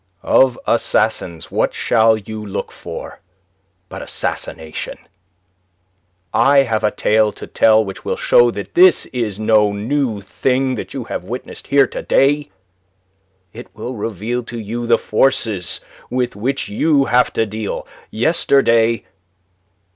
"Of assassins what shall you look for but assassination? I have a tale to tell which will show that this is no new thing that you have witnessed here to day; it will reveal to you the forces with which you have to deal. Yesterday..."